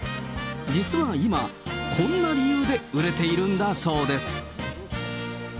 実は今、こんな理由で売れているんだそうです。